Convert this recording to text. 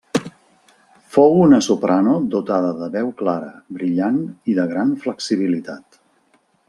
Fou una soprano dotada de veu clara, brillant i de gran flexibilitat.